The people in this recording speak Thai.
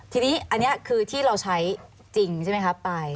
ทีนี้อันนี้คือที่เราใช้จริงใช่ไหมครับไป